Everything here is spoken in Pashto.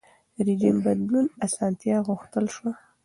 رژیم بدلون اسانتیا غوښتل شوه.